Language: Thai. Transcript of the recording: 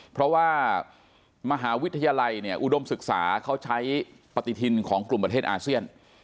เพราะว่ามหาวิทยาลัยเนี่ยอุดมศึกษาเขาใช้ปฏิทินของกลุ่มประเทศอาเซียน